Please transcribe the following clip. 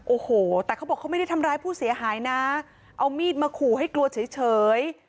โอ้โหแต่เขาบอกเขาไม่ได้ทำร้ายผู้เสียหายนะเอามีดมาขู่ให้กลัวเฉย